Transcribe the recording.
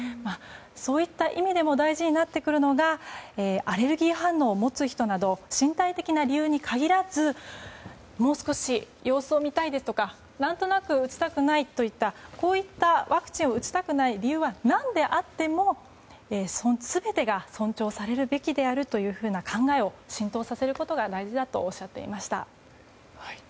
そういった意味でも大事になってくるのがアレルギー反応を持つ人など身体的な理由に限らずもう少し様子を見たいですとか何となく打ちたくないといったこういったワクチンを打ちたくない理由は何であっても全てが尊重されるべきであるというふうな考えを浸透させることが大事だとおっしゃっていました。